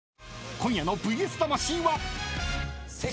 ［今夜の『ＶＳ魂』は］